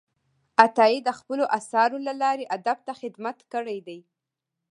عطايي د خپلو آثارو له لارې ادب ته خدمت کړی دی.